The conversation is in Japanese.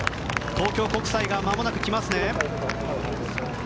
東京国際がまもなく来ますね。